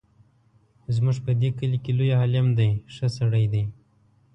زموږ په دې کلي کې لوی عالم دی ښه سړی دی.